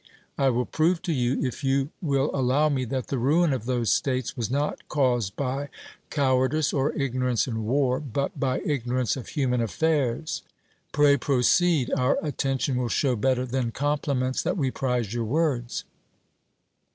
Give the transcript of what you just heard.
I will prove to you, if you will allow me, that the ruin of those states was not caused by cowardice or ignorance in war, but by ignorance of human affairs. 'Pray proceed: our attention will show better than compliments that we prize your words.'